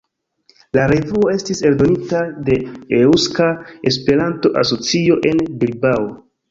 La revuo estis eldonita de Eŭska Esperanto-Asocio en Bilbao.